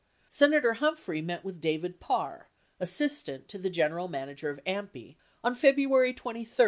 Senator Humphrey met with David Parr, assistant to the general manager of AMPI, on February 23, 1971.